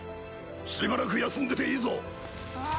しばらく休んでていいぞ。